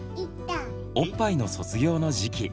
おっぱいの卒業の時期。